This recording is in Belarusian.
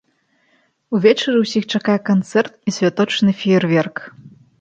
Увечары ўсіх чакае канцэрт і святочны феерверк.